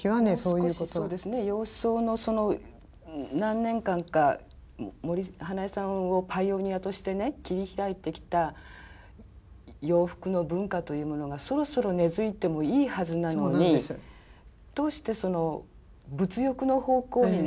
もう少しそうですね洋装のその何年間か森英恵さんをパイオニアとして切り開いてきた洋服の文化というものがそろそろ根づいてもいいはずなのにどうして物欲の方向にね。